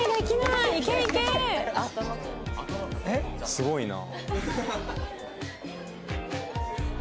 すごいな。